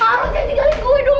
harus jangan tinggalin gue dong